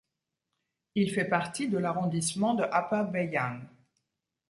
Il fait partie de l'arrondissement de Upper Bayang.